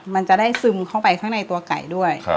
มันจะได้ซึมเข้าไปข้างในตัวไก่ด้วย